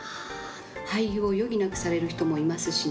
廃業を余儀なくされる人もいますしね。